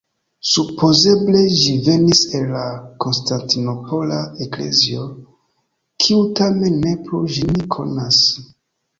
Supozeble ĝi venis el la Konstantinopola eklezio, kiu tamen ne plu ĝin konas.